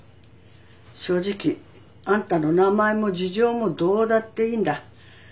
正直あんたの名前も事情もどうだっていいんだ。